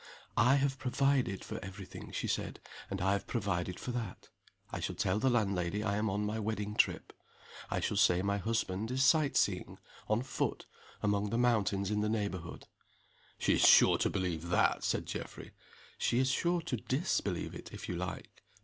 "I have provided for every thing," she said, "and I have provided for that. I shall tell the landlady I am on my wedding trip. I shall say my husband is sight seeing, on foot, among the mountains in the neighborhood " "She is sure to believe that!" said Geoffrey. "She is sure to _dis_believe it, if you like.